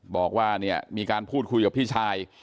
บอกว่าเนี่ยมีการพูดคุยกับพี่ชาย